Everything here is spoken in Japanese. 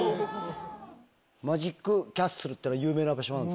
マジックキャッスルってのは有名な場所なんですか？